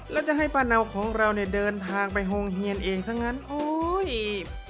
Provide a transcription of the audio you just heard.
แล้วจะให้ป้าเนาของเราเนี่ยเดินทางไปโฮงเฮียนเองซะงั้นโอ้ย